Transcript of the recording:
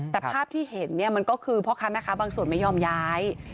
แต่ภาพที่เห็นเนี่ยมันก็คือพ่อค้าแม่ค้าบางส่วนไม่ยอมย้าย